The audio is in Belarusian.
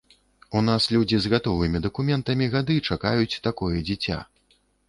У нас людзі з гатовымі дакументамі гады чакаюць такое дзіця.